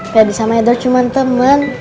pebri sama edward cuma temen